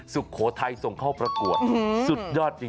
สุโขทัยส่งเข้าประกวดสุดยอดจริง